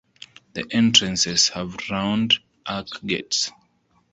The entrances have round arch gates.